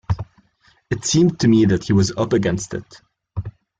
It seemed to me that he was up against it.